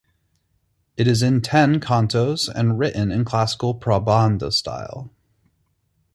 It is in ten cantos and written in classical prabandha style.